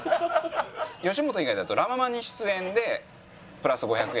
吉本以外だと「ラ・ママに出演でプラス５００円」。